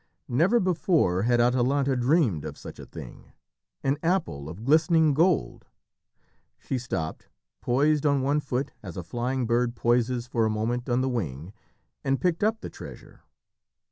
Never before had Atalanta dreamed of such a thing an apple of glistening gold! She stopped, poised on one foot as a flying bird poises for a moment on the wing, and picked up the treasure.